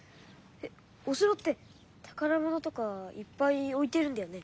お城ってたからものとかいっぱいおいてるんだよね。